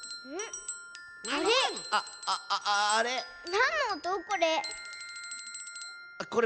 なんのおとこれ？